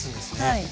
はい。